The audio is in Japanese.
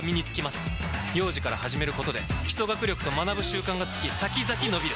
幼児から始めることで基礎学力と学ぶ習慣がつき先々のびる！